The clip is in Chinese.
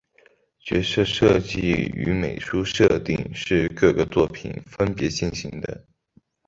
角色设计与美术设定是各个作品分别进行的。